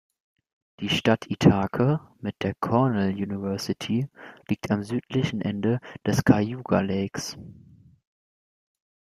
Die Stadt Ithaca mit der Cornell University liegt am südlichen Ende des Cayuga Lake.